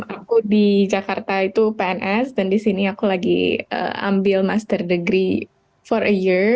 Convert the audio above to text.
aku di jakarta itu pns dan disini aku lagi ambil master degree for a year